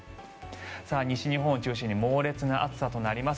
西日本を中心に猛烈な暑さとなります。